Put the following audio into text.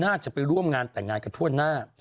น่าจะไปร่วมงานแต่งงานกันทั่วหน้า